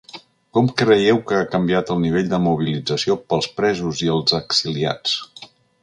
Com creieu que ha canviat el nivell de mobilització pels presos i els exiliats?